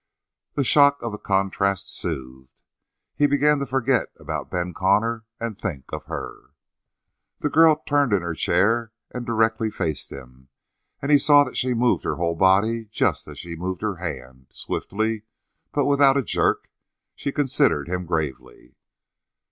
The shock of the contrast soothed. He began to forget about Ben Connor and think of her. The girl turned in her chair and directly faced him, and he saw that she moved her whole body just as she moved her hand, swiftly, but without a jerk; she considered him gravely.